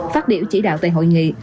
phát biểu chỉ đạo tại hội nghị